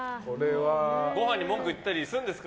ごはんに文句言ったりするんですか。